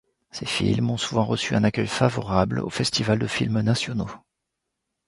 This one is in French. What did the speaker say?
Ses films ont souvent reçu un accueil favorable aux festivals de films nationaux.